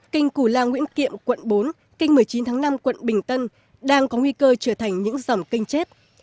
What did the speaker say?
kênh củ lao nguyễn kiệm quận bốn kênh một mươi chín tháng năm quận bình tân đang có nguy cơ trở thành những dòng kênh chết